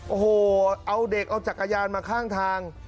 โอ้โหเอาเด็กเอาจักรยานมาข้างทาง